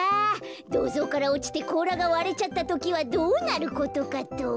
どうぞうからおちてこうらがわれちゃったときはどうなることかと。